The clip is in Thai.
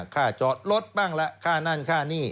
ข้าจอดรถบ้างแล้วข้านั่นข้านี่